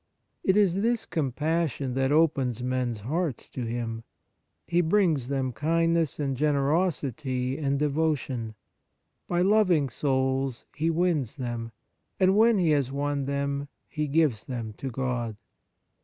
It is this compassion that opens men's hearts to him ; he brings them kindness and generosity and devotion. By loving souls he wins them ; and when he has won them, he gives them to God.